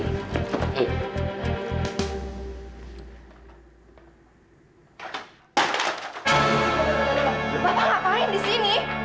bapak ngapain disini